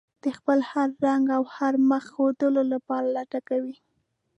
د خپل هر رنګ او هر مخ ښودلو لپاره لټه کوي.